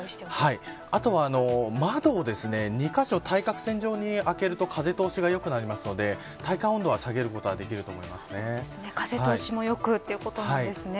あとは窓を２カ所、対角線上に開けると風通しが良くなりますので体感温度を下げることが風通しもよくということなんですね。